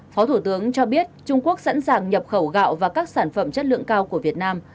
phó thủ tướng cho biết trung quốc sẵn sàng nhập khẩu gạo và các sản phẩm chất lượng cao của việt nam